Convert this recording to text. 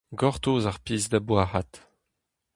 Gortoz ar piz da boazhat.